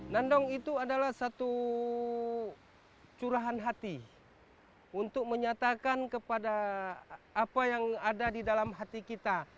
nandong itu adalah satu curahan hati untuk menyatakan kepada apa yang ada di dalam hati kita